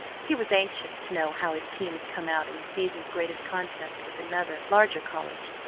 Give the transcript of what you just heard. He was anxious to know how his team had come out in the season's greatest contest with another larger college.